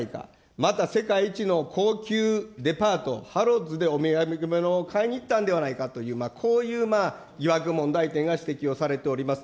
また、世界一の高級デパート、ハロッズでお土産を買いにいったんではないかという、こういう疑惑、問題点が指摘をされております。